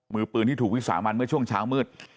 มือปืนที่ถูกวิสามันเมื่อช่วงเช้ามืด